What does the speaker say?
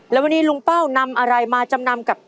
ห่วงมากมาก